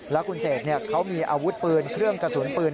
แล้วคุณเสกเขามีอาวุธปืนเครื่องกระสุนปืน